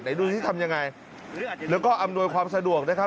เดี๋ยวดูซิที่ทำอย่างไรและก็อำนวยความสะดวกได้ครับ